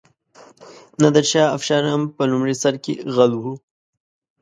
نادرشاه افشار هم په لومړي سر کې غل و.